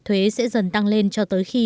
thuế sẽ dần tăng lên cho tới khi